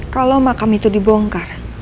kalau makam itu dibongkar